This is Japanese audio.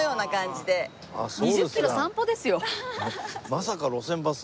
まさか『路線バス』。